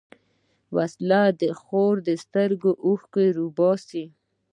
وسله د خور د سترګو اوښکې راوباسي